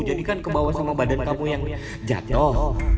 jadi kan kebawah sama badan kamu yang jatoh